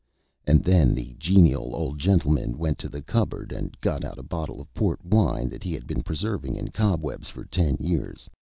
And then the genial old gentleman went to the cupboard and got out a bottle of port wine that he had been preserving in cobwebs for ten years.